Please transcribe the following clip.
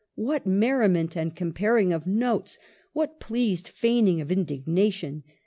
What merri ment and comparing of notes ! What pleased feigning of indignation !